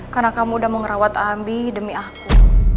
karena kamu udah mau ngerawat abi demi aku